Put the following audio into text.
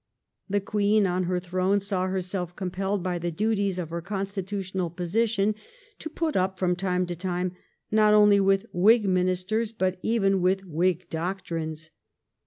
The Queen on her throne saw herself com pelled by the duties of her constitutional position to put up, from time to time, not only with Whig Ministers but even with Whig doctrines.